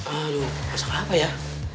aduh masak apa ya